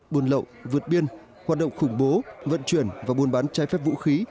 buôn lậu vượt biên hoạt động khủng bố vận chuyển và buôn bán trái phép vũ khí